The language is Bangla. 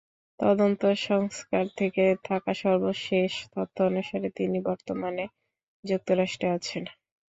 তদন্ত সংস্থার কাছে থাকা সর্বশেষ তথ্য অনুসারে, তিনি বর্তমানে যুক্তরাষ্ট্রে আছেন।